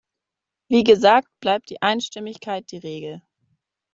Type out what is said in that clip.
Wie gesagt bleibt die Einstimmigkeit die Regel.